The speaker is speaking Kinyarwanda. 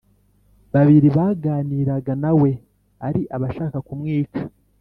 babiri baganiraga na we ari abashaka kumwica